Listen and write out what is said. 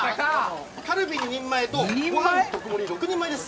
カルビ２人前とご飯特盛り６人前です